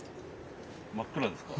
・真っ暗ですか？